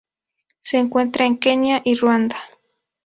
Se encuentra en Kenia y Ruanda.